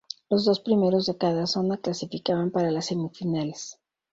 Los dos primeros de cada zona clasificaban para las semifinales.